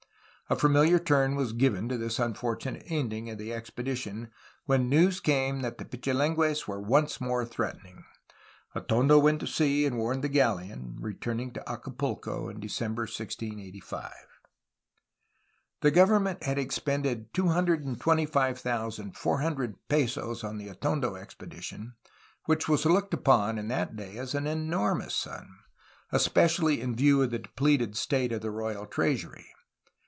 A familiar turn was given to this unfortunate end ing of the expedition when news came that the Pichilingues were once more threatening. Atondo went to sea and warned the galleon, returning to Acapulco in December 1685. The government had expended 225,400 pesos on the Atondo expedition, which was looked upon in that day as an enormous sum, especially in view of the depleted state of the royal treasury.